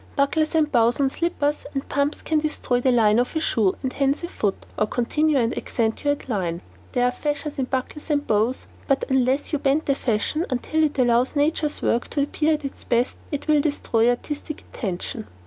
Buckles and bows on slippers and pumps can destroy the line of a shoe and hence a foot, or continue and accentuate line. There are fashions in buckles and bows, but unless you bend the fashion until it allows nature's work to appear at its best, it will destroy artistic intention.